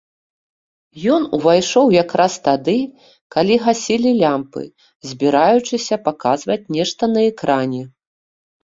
Ён увайшоў якраз тады, калі гасілі лямпы, збіраючыся паказваць нешта на экране.